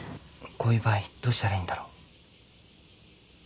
こういう場合どうしたらいいんだろう？